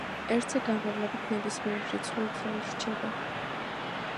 ერთზე გამრავლებით ნებისმიერი რიცხვი უცვლელი რჩება.